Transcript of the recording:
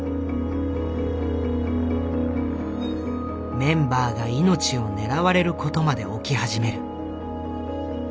メンバーが命を狙われることまで起き始める。